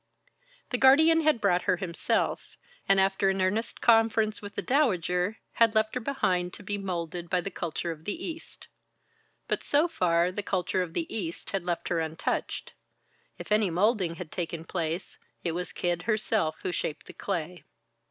The guardian had brought her himself, and after an earnest conference with the Dowager, had left her behind to be molded by the culture of the East. But so far, the culture of the East had left her untouched. If any molding had taken place, it was Kid herself who shaped the clay.